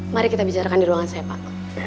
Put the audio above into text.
mari kita bicarakan di ruangan saya pak